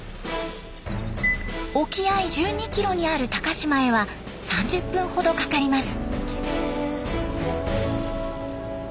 沖合１２キロにある高島へは３０分ほどかかります。